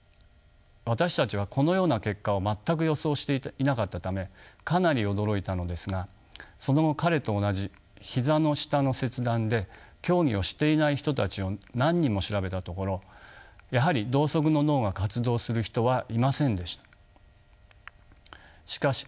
私たちはこのような結果を全く予想していなかったためかなり驚いたのですがその後彼と同じ膝の下の切断で競技をしていない人たちを何人も調べたところやはり同側の脳が活動する人はいませんでした。